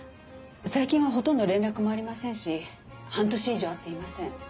最近はほとんど連絡もありませんし半年以上会っていません。